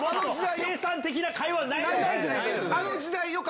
生産的な会話はないのか。